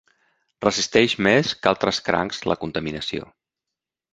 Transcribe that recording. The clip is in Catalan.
Resisteix més que altres crancs la contaminació.